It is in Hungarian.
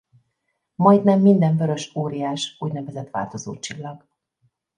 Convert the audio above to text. Majdnem minden vörös óriás úgynevezett változócsillag.